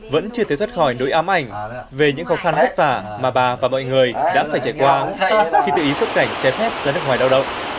vẫn chưa thấy thoát khỏi nỗi ám ảnh về những khó khăn vất vả mà bà và mọi người đã phải trải qua khi tự ý xuất cảnh trái phép ra nước ngoài lao động